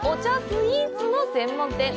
スイーツの専門店。